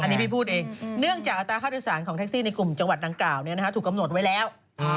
อันนี้พี่พูดเองเนื่องจากอัตราค่าโดยสารของแท็กซี่ในกลุ่มจังหวัดดังกล่าวถูกกำหนดไว้แล้ว